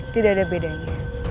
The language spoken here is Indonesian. tidak ada bedanya